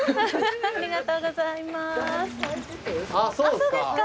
あっそうですか。